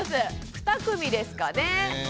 ２組ですかね？